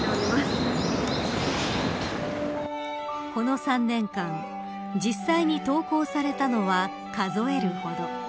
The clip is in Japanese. この３年間、実際に登校されたのは、数えるほど。